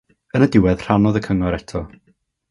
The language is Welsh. Yn y diwedd, rhannodd y cyngor eto.